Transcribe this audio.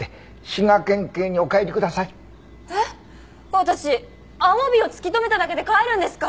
私アワビを突き止めただけで帰るんですか！？